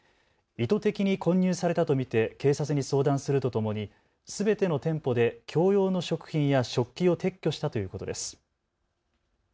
意図的に混入されたと見て警察に相談するとともにすべての店舗で共用の食品や食器を撤去したということです。